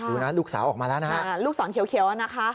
ถูกนั้นลูกสาวออกมาแล้วนะฮะอ่าลูกสอนเขียวเขียวอ่ะนะคะ